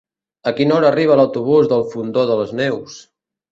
A quina hora arriba l'autobús del Fondó de les Neus?